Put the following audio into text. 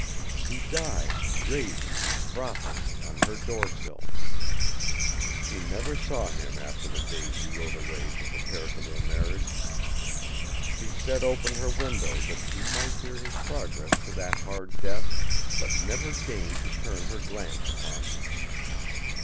He died, raving and frothing, on her door sill. She never saw him after the day he rode away to prepare for their marriage. She set open her window that she might hear his progress to that hard death, but never deigned to turn her glance upon him.